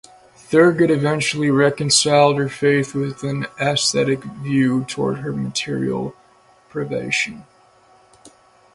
Thurgood eventually reconciled her faith with an ascetic view towards her material privation.